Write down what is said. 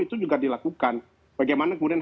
itu juga dilakukan bagaimana kemudian